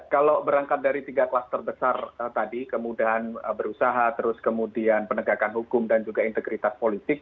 kalau berangkat dari tiga klaster besar tadi kemudahan berusaha terus kemudian penegakan hukum dan juga integritas politik